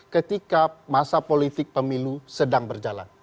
ketika masa politik pemilu sedang berjalan